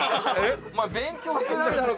お前勉強してないだろ！